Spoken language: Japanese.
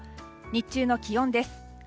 日中の気温です。